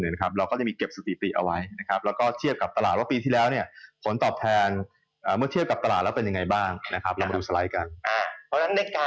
เหมือนกันใครติดตามพี่เอกเนื่องจากพี่เอกเป็นนักลงทุนเขาเรียกว่า